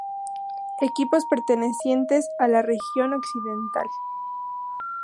Equipos pertenecientes a la Región Occidental.